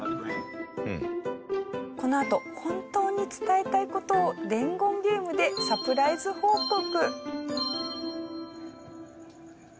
このあと本当に伝えたい事を伝言ゲームでサプライズ報告。